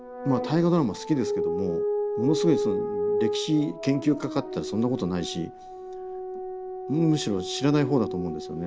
好きですけどもものすごい歴史研究家かっていったらそんなことないしむしろ知らない方だと思うんですよね。